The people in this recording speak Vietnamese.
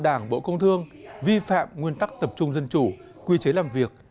đảng bộ công thương vi phạm nguyên tắc tập trung dân chủ quy chế làm việc